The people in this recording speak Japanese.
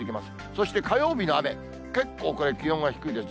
そして、火曜日の雨、結構これ、気温が低いです。